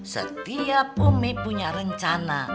setiap umi punya rencana